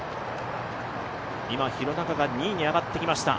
今廣中が２位に上がってきました。